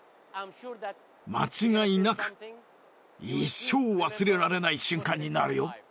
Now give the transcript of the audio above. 間違いなく一生忘れられない瞬間になるよ。